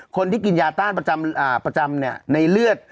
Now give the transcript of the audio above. คนที่กินยาต้านประจำในเลือด